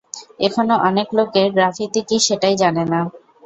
এখানো অনেক লোকের গ্রাফিতি কি সেটাই জানে না।